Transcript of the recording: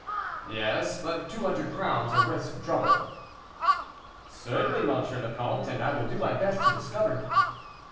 "Yes, but two hundred crowns are worth some trouble." "Certainly, M. le Comte, and I will do my best to discover."